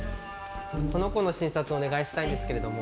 この子の診察お願いしたいんですけれども。